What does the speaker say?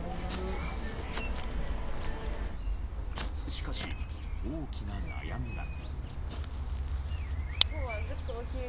しかし、大きな悩みが。